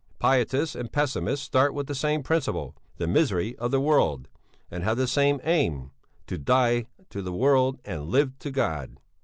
"'Pietists and pessimists start from the same principle, the misery of the world, and have the same aim: to die to the world and live to God.